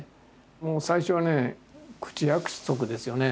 もう最初はね口約束ですよね。